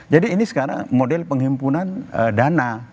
jadi ini sekarang model penghimpunan dana